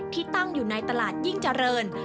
ที่ตั้งอยู่ในตลาดยิ่งเจริญ